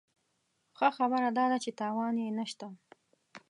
ښه خبره داده چې تاوان یې نه شته.